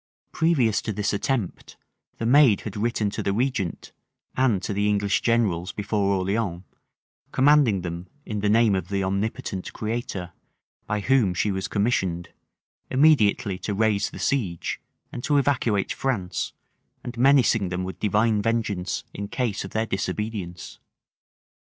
Previous to this attempt, the maid had written to the regent, and to the English generals before Orleans, commanding them, in the name of the omnipotent Creator, by whom she was commissioned, immediately to raise the siege; and to evacuate France; and menacing them with divine vengeance in case of their disobedience.